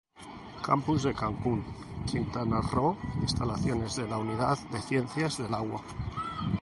Campus Cancún, Quintana Roo: Instalaciones de la Unidad de Ciencias del Agua.